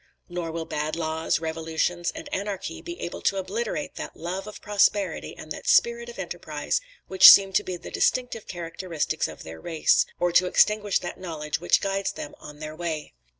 Nor will bad laws, revolutions, and anarchy be able to obliterate that love of prosperity and that spirit of enterprise which seem to be the distinctive characteristics of their race, or to extinguish that knowledge which guides them on their way.